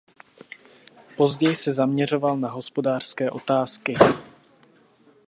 Později se zaměřoval na hospodářské otázky.